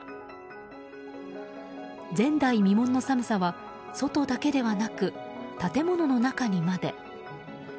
前代未聞の寒さは外だけではなく建物の中にまで。